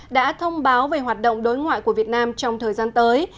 đã thông báo về hoạt động đối ngoại của việt nam trong thời gian tới